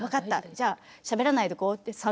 じゃあしゃべらないでおこうと。